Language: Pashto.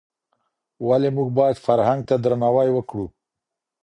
ولي موږ بايد فرهنګ ته درناوی وکړو؟